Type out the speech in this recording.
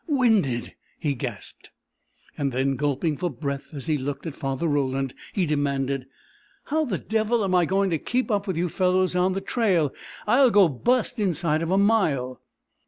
"Winded!" he gasped. And then, gulping for breath as he looked at Father Roland, he demanded: "How the devil am I going to keep up with you fellows on the trail? I'll go bust inside of a mile!"